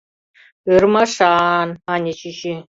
— Ӧрмашан! — мане чӱчӱ.